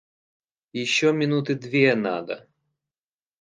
Еще минуты две надо.